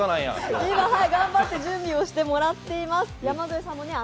今、頑張って準備をしてもらっています。